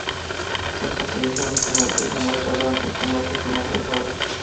Ésta apariencia únicamente se muestra durante el combate final del juego.